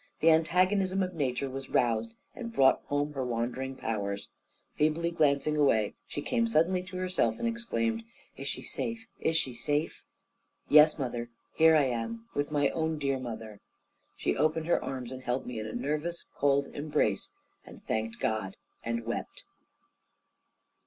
The antagonism of nature was roused, and brought home her wandering powers. Feebly glancing away, she came suddenly to herself, and exclaimed: "Is she safe? is she safe?' "Yes, mother; here I am, with my own dear mother." She opened her arms, and held me in a nervous cold embrace, and thanked God, and wept.